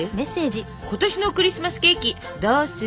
「今年のクリスマスケーキどうする？」。